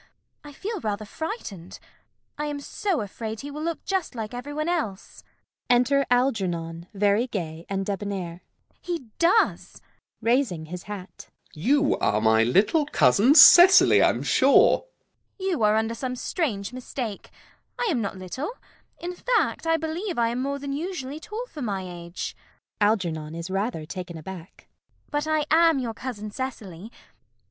I feel rather frightened. I am so afraid he will look just like every one else. [Enter Algernon, very gay and debonnair.] He does! ALGERNON. [Raising his hat.] You are my little cousin Cecily, I'm sure. CECILY. You are under some strange mistake. I am not little. In fact, I believe I am more than usually tall for my age. [Algernon is rather taken aback.] But I am your cousin Cecily.